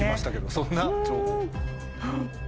そんな情報。